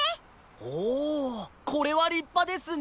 おこれはりっぱですね。